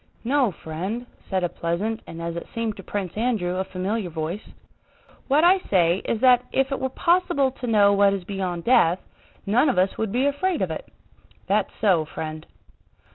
"No, friend," said a pleasant and, as it seemed to Prince Andrew, a familiar voice, "what I say is that if it were possible to know what is beyond death, none of us would be afraid of it. That's so, friend."